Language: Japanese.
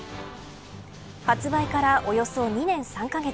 発売からおよそ２年３カ月。